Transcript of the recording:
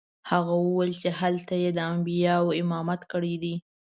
هغه وویل چې هلته یې د انبیاوو امامت کړی دی.